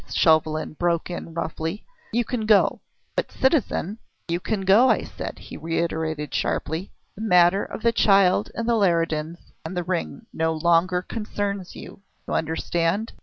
Chauvelin broke in roughly. "You can go!" "But, citizen " "You can go, I said," he reiterated sharply. "The matter of the child and the Leridans and the ring no longer concerns you. You understand?"